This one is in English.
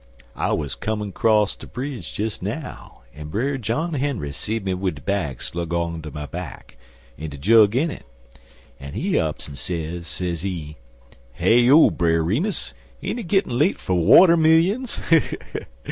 "I wuz comm' 'cross de bridge des now, an' Brer John Henry seed me wid de bag slung onter my back, an' de jug in it, an' he ups an' sez, sezee: "'Heyo, Brer Remus, ain't it gittin' late for watermillions?'